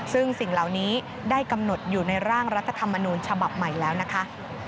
ซึ่งสิ่งเหล่านี้ได้กำหนดอยู่ในร่างรัฐธรรมนูญฉบับใหม่แล้วนะคะ